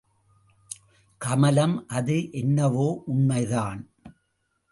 கமலம் அது என்னவோ உண்மைதான்.